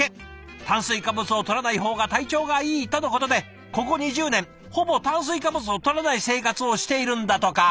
「炭水化物をとらないほうが体調がいい」とのことでここ２０年ほぼ炭水化物をとらない生活をしているんだとか。